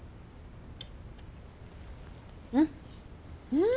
うん！